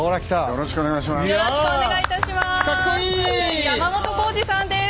よろしくお願いします。